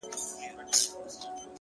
ه ته خپه د ستړي ژوند له شانه نه يې ـ